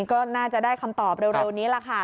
ก็น่าจะได้คำตอบเร็วนี้แหละค่ะ